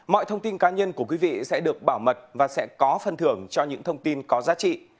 mọi thông tin cá nhân của quý vị sẽ được bảo mật và sẽ có phân thưởng cho những thông tin có giá trị